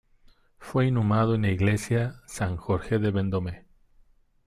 Fue inhumado en la Iglesia San Jorge de Vendôme.